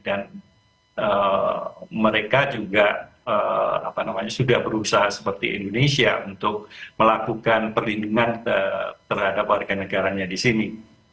dan mereka juga sudah berusaha seperti indonesia untuk melakukan perlindungan terhadap warga negaranya di sini